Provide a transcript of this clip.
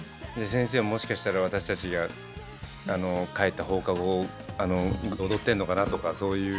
先生ももしかしたら私たちが帰った放課後踊ってるのかなとかそういう。